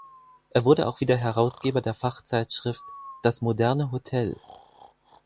Er wurde auch wieder Herausgeber der Fachzeitschrift "Das moderne Hotel".